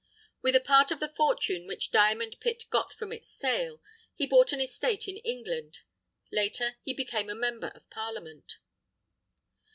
With a part of the fortune which "Diamond Pitt" got from its sale, he bought an estate in England. Later he became a member of Parliament.